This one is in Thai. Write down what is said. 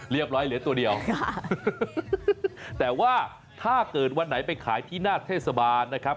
เหลือตัวเดียวแต่ว่าถ้าเกิดวันไหนไปขายที่หน้าเทศบาลนะครับ